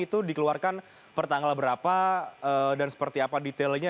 itu dikeluarkan pertanggal berapa dan seperti apa detailnya